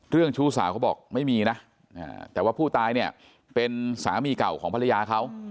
ชู้สาวเขาบอกไม่มีนะแต่ว่าผู้ตายเนี่ยเป็นสามีเก่าของภรรยาเขา